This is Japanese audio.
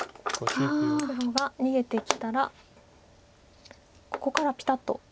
黒が逃げてきたらここからピタッと。